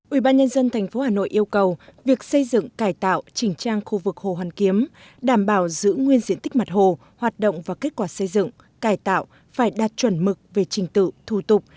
ubnd tp hà nội yêu cầu việc xây dựng cải tạo chỉnh trang khu vực hồ hoàn kiếm đảm bảo giữ nguyên diện tích mặt hồ hoạt động và kết quả xây dựng cải tạo phải đạt chuẩn mực về trình tự thủ tục